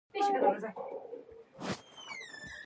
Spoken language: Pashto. زردالو د افغانستان د طبیعت د ښکلا برخه ده.